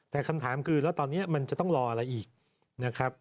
แต่คำถามคือแล้วตอนนี้มันจะต้องรออะไรอีกนะครับ